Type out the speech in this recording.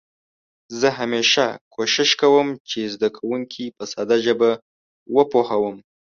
زه همېشه کوښښ کوم چې زده کونکي په ساده ژبه وپوهوم.